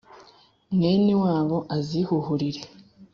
mwene wabo azihuhurire.